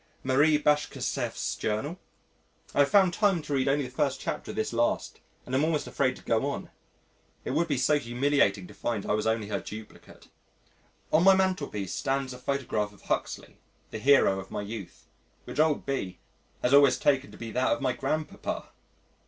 _ Marie Bashkirtseff's Journal. I have found time to read only the first chapter of this last and am almost afraid to go on. It would be so humiliating to find I was only her duplicate. On my mantelpiece stands a photograph of Huxley the hero of my youth which old B has always taken to be that of my grandpapa!